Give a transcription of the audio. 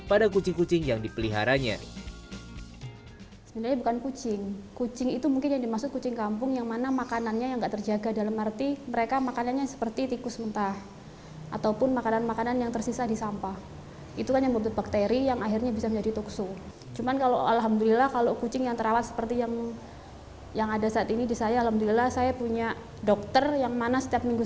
pada kucing kucing yang dipeliharanya